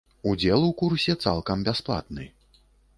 Удзел у курсе цалкам бясплатны.